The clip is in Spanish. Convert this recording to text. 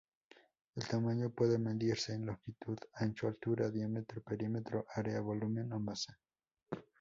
El tamaño puede medirse en longitud, ancho, altura, diámetro, perímetro, área, volumen o masa.